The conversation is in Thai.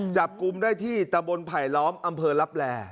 จับกลุ่มได้ที่ตำบลไผลล้อมอำเภอลับแล